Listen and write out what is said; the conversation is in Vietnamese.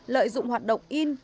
lợi dụng hoạt động